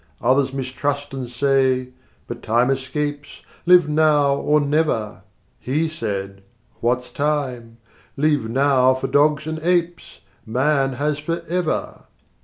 80 Others mistrust and say, "But time escapes: Live now or never!" He said, "What's time? Leave Now for dogs and apes! Man has Forever."